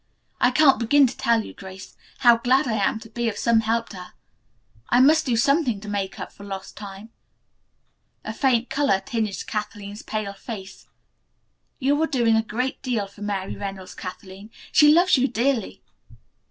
"I can't begin to tell you, Grace, how glad I am to be of some help to her. I must do something to make up for lost time." A faint color tinged Kathleen's pale face. "You are doing a great deal for Mary Reynolds, Kathleen. She loves you dearly!"